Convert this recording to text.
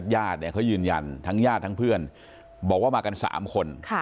ญาติเนี่ยเขายืนยันทั้งญาติทั้งเพื่อนบอกว่ามากัน๓คน